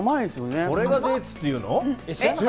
これがデーツって言うの？